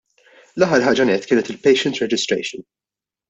L-aħħar ħaġa nett kienet il-patient registration.